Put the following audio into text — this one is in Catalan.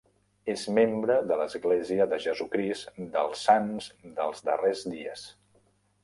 És membre de l'Església de Jesucrist dels Sants dels Darrers Dies.